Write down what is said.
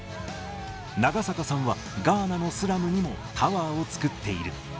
長坂さんはガーナのスラムにもタワーを作っている。